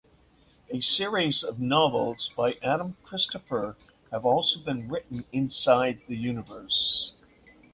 A series of novels by Adam Christopher have also been written inside the universe.